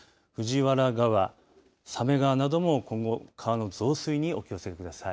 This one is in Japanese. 藤川、鮫川なども今後川の増水にお気をつけください。